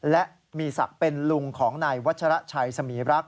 และมีศักดิ์เป็นลุงของนายวัชระชัยสมีรักษ